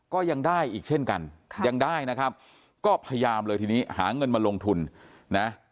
ก็ยังได้อีกเช่นกันยังได้นะครับก็พยายามเลยทีนี้หาเงินมาลงทุนนะ